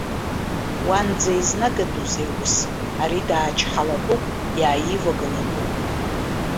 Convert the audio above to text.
Уанӡа изнагатәузеи аус, ари даачҳалатәуп, иааивагылатәуп.